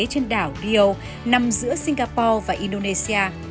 trên đảo rio nằm giữa singapore và indonesia